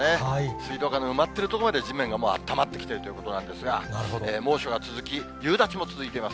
水道管が埋まってる所まで、地面があったまってきているということなんですが、猛暑が続き、夕立も続いています。